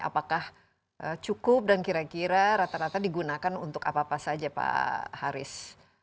apakah cukup dan kira kira rata rata digunakan untuk apa apa saja pak haris